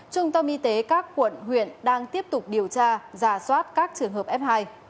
trung tâm y tế các quận huyện đang tiếp tục điều tra giả soát các trường hợp f hai